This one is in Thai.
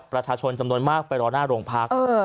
ประชาชนจำนวนมากไปรอหน้าโรงพัก